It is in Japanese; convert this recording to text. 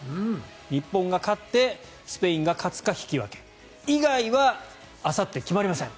日本が勝ってスペインが勝つか引き分け以外はあさって決まりません。